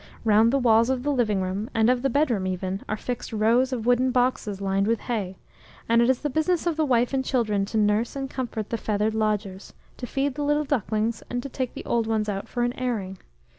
Round the walls of the living rooms, and of the bedroom even, are fixed rows of wooden boxes, lined with hay; and it is the business of the wife and children to nurse and comfort the feathered lodgers, to feed the little ducklings, and to take the old ones out for an airing.